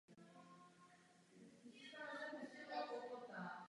Na polích se pěstovala pšenice a žito.